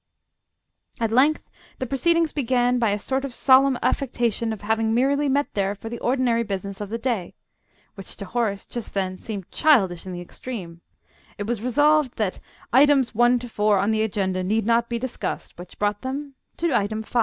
At length the proceedings began by a sort of solemn affectation of having merely met there for the ordinary business of the day, which to Horace just then seemed childish in the extreme; it was resolved that "items 1 to 4 on the agenda need not be discussed," which brought them to item 5.